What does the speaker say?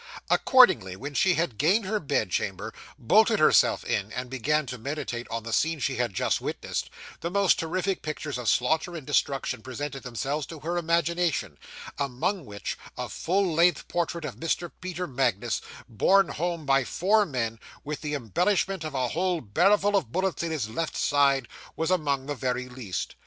Accordingly, when she had gained her bedchamber, bolted herself in, and began to meditate on the scene she had just witnessed, the most terrific pictures of slaughter and destruction presented themselves to her imagination; among which, a full length portrait of Mr. Peter Magnus borne home by four men, with the embellishment of a whole barrelful of bullets in his left side, was among the very least.